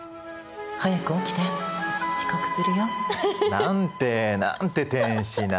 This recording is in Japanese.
「早く起きて！遅刻するよ」。なんてなんて天使な。